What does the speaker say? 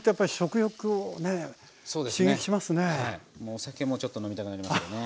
お酒もちょっと飲みたくなりますよね。